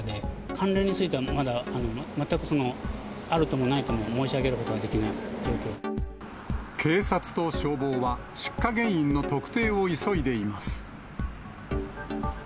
関連については、まだ、全くその、あるともないとも申し上げること警察と消防は、出火原因の特定を急いでいます。